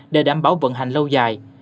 để đảm bảo vận hành lâu dài